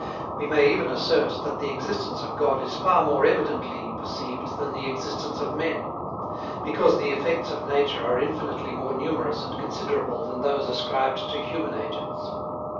We may even assert that the existence of God is far more evidently perceived than the existence of men; because the effects of nature are infinitely more numerous and considerable than those ascribed to human agents.